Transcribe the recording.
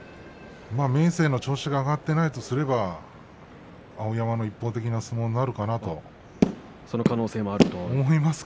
明生の調子が上がっていないとすれば碧山の一方的な相撲になるかなと思います。